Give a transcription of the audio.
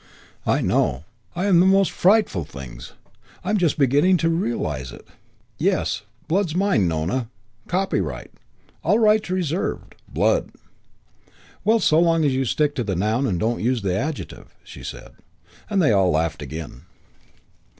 "I know. I'm the most frightful things. I'm just beginning to realise it. Yes, blood's mine, Nona. Copyright. All rights reserved. Blood." "Well, so long as you stick to the noun and don't use the adjective," she said; and they all laughed again.